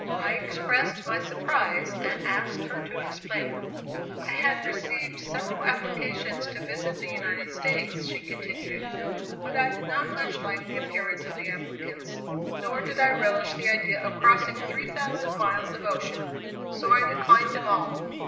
I expressed my surprise, and asked her to explain. "I had received several applications to visit the United States," she continued, "but I did not much like the appearance of the applicants, nor did I relish the idea of crossing 3,000 miles of ocean; so I declined them all.